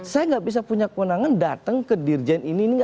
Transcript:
saya gak bisa punya kewenangan datang ke dirjen ini